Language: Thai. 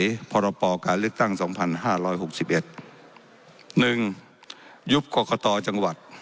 ยุปปรากฏรจังหวัด